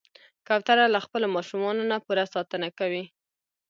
کوتره له خپلو ماشومانو نه پوره ساتنه کوي.